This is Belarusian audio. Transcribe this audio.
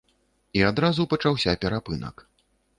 І адразу пачаўся перапынак.